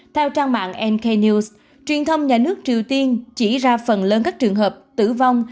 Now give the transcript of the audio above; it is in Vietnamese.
theo trang mạng nk truyền thông nhà nước triều tiên chỉ ra phần lớn các trường hợp tử vong